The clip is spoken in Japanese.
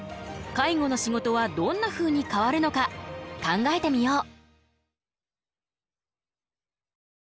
介護の仕事はどんなふうに変わるのか考えてみよう。